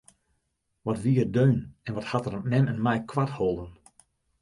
Wat wie er deun en wat hat er mem en my koart holden!